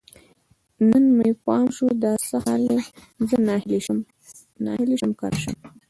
نن مې پام شو، دا څه حال دی؟ زه ناهیلی شم که نه شم